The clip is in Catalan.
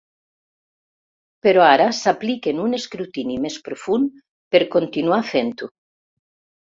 Però ara s'apliquen un escrutini més profund per continuar fent-ho.